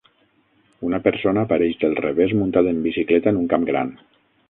Una persona apareix del revés muntat en bicicleta en un camp gran.